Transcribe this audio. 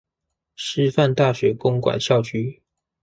師範大學公館校區